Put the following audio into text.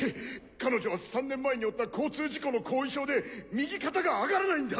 彼女は３年前に負った交通事故の後遺症で右肩が上がらないんだ！